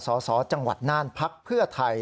สสจังหวัดนานเพลือไทย